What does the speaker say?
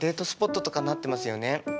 スポットとかなってますよね。